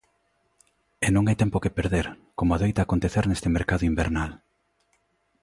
E non hai tempo que perder, como adoita acontecer neste mercado invernal.